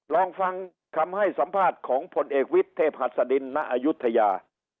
ลองฟังคำให้สัมภาษณ์ของผลเอกวิทย์เทพหัสดินณอายุทยา